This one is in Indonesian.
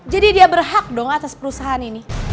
jadi dia berhak dong atas perusahaan ini